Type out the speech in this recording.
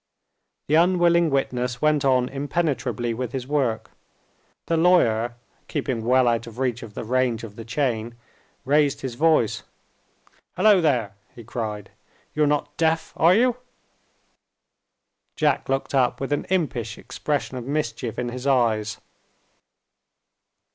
The unwilling witness went on impenetrably with his work. The lawyer (keeping well out of reach of the range of the chain) raised his voice. "Hullo, there!" he cried, "you're not deaf, are you?" Jack looked up, with an impish expression of mischief in his eyes.